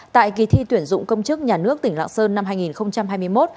tại kỳ thi tuyển dụng công chức nhà nước tỉnh lạng sơn năm hai nghìn hai mươi một